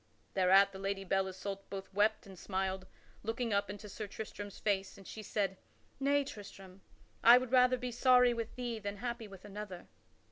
Thereat the Lady Belle Isoult both wept and smiled, looking up into Sir Tristram's face, and she said: "Nay, Tristram; I would rather be sorry with thee than happy with another."